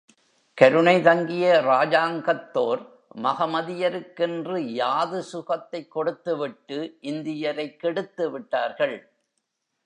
கருணை தங்கிய இராஜாங்கத்தோர் மகமதியருக்கென்று யாது சுகத்தைக் கொடுத்துவிட்டு இந்தியரைக் கெடுத்துவிட்டார்கள்.